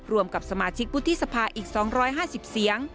รวมกับสมาชิกวุฒิสภาอีก๒๕๐เสียง